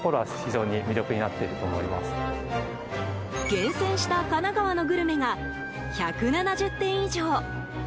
厳選した神奈川のグルメが１７０点以上。